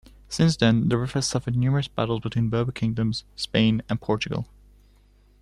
Since then, the Rif has suffered numerous battles between Berber kingdoms, Spain and Portugal.